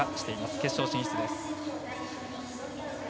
決勝進出です。